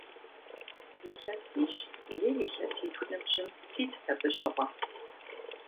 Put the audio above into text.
Илъэсищ е илъэситху ныбжьым ситт абы щыгъуэ.